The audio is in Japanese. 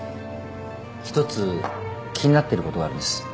一つ気になっていることがあるんです。